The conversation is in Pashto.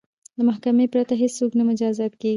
له محاکمې پرته هیڅوک نه مجازات کیږي.